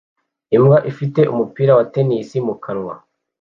Imbwa ifite umupira wa tennis mu kanwa